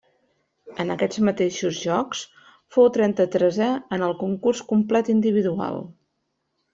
En aquests mateixos Jocs fou trenta-tresè en el concurs complet individual.